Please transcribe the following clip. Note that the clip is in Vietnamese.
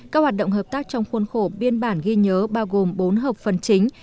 các hoạt động hợp tác trong khuôn khổ biên bản ghi nhớ bao gồm bốn hợp phần chính